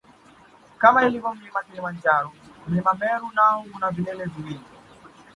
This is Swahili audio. Kama ulivyo mlima Kilimanjaro mlima Meru nao una vilele viwili